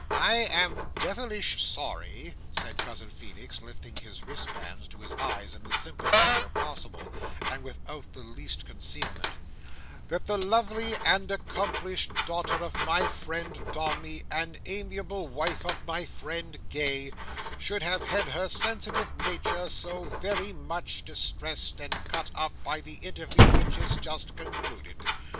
"I am devilish sorry," said Cousin Feenix, lifting his wristbands to his eyes in the simplest manner possible, and without the least concealment, "that the lovely and accomplished daughter of my friend Dombey and amiable wife of my friend Gay, should have had her sensitive nature so very much distressed and cut up by the interview which is just concluded.